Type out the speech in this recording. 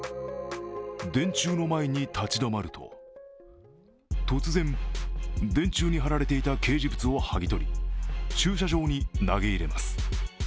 電柱の前に立ち止まると、突然、電柱に貼られていた掲示物を剥ぎ取り駐車場に投げ入れます。